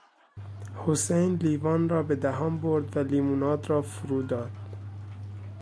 حسین لیوان را به دهان برد و لیموناد را فرو داد.